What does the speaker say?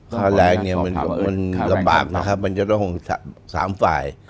ค่าแรงเนี่ยมันลำบากนะครับมันจะต้อง๓ฝ่าย